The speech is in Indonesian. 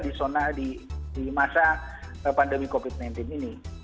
di zona di masa pandemi covid sembilan belas ini